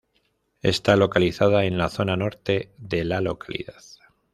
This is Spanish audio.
Está localizada en la zona norte de la localidad.